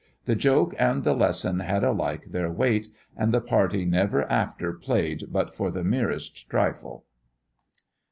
The joke and the lesson had alike their weight; and the party never after played but for the merest trifle.